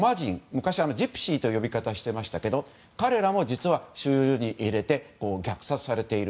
昔、ジプシーという呼び方をしていましたけど彼らも収容所に入れて虐殺されている。